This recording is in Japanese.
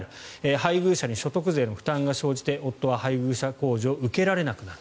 配偶者に所得税の負担が生じて夫は配偶者控除を受けられなくなると。